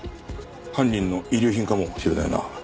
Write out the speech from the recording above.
犯人の遺留品かもしれないな。